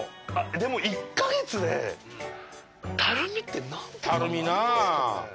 でも１カ月でたるみって何とかなりますかね。